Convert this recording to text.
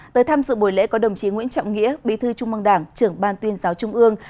tới tham dự buổi lễ có đồng chí nguyễn trọng nghĩa bí thư trung mong đảng trưởng ban tuyên giáo trung ương